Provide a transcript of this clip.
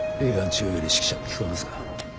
中央より指揮車聞こえますか？